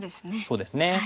そうですね。